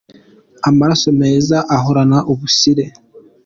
Amaraso meza ahorana ubusire